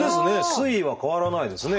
推移は変わらないですね。